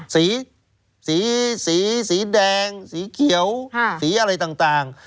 สีสีแดงสีเขียวสีอะไรต่าง